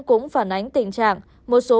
cũng phản ánh tình trạng một số